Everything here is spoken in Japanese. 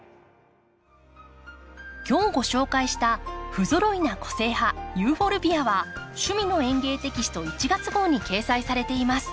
今日ご紹介した「ふぞろいな個性派ユーフォルビア」は「趣味の園芸」テキスト１月号に掲載されています。